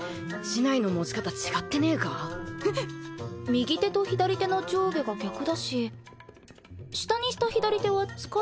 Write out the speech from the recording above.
右手と左手の上下が逆だし下にした左手は柄尻を握るんだけど。